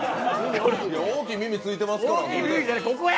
大きい耳ついてますからここや！